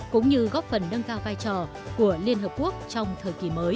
cũng như góp phần nâng cao vai trò của liên hợp quốc trong thời kỳ mới